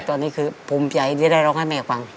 ตอนนี้คือภูมิใจที่ได้ร้องให้แม่ฟัง